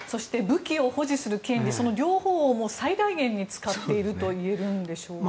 武器を保持する権利その両方を最大限に使っているといえるんでしょうか。